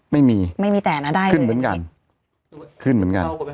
ไม่มีไม่มีแต่นะได้ขึ้นเหมือนกันขึ้นเหมือนกัน